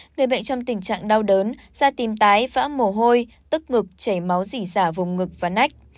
người bệnh trong tình trạng đau đớn da tìm tái vã mổ hôi tức ngực chảy máu dỉ dạ vùng ngực và nách